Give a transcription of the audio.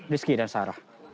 rizky dan sarah